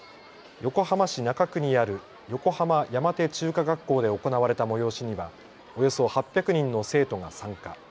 横浜市中区にある横浜山手中華学校で行われた催しにはおよそ８００人の生徒が参加。